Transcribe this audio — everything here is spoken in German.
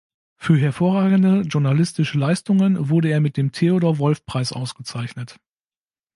Für hervorragende journalistische Leistungen wurde er mit dem Theodor-Wolff-Preis ausgezeichnet.